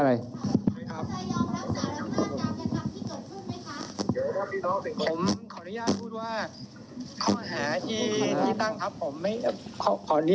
เดี๋ยวถ้าพี่น้องสื่อโมชนสอบถามเนี่ย